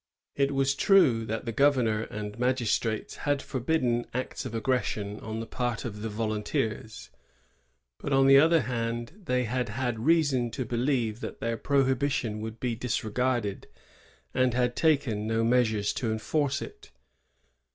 It was true that the governor and magistrates had forbidden acts of aggression on the part of the volun teers; but on the other hand they had had reason to believe that their prohibition would be disregarded, and had taken no measures to enforce it.